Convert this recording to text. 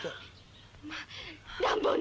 まあ乱暴な！